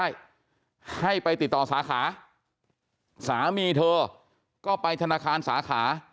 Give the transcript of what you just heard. ไม่สามารถอายัดให้ได้ให้ไปติดต่อสาขาสามีเธอก็ไปธนาคารสาขา